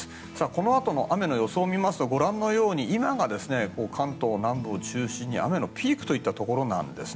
このあとの雨の予想を見ますとご覧のように今が関東南部を中心に雨のピークといったところです。